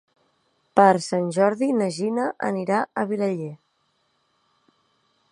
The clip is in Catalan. Per Sant Jordi na Gina anirà a Vilaller.